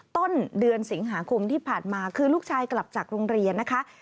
ต้นเดือนสิงหาคมที่ผ่านมาคือลูกชายกลับจากโรงเรียนนะคะ